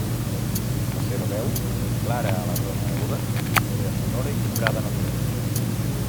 La seva veu, clara a la zona aguda, era sonora i timbrada en els greus.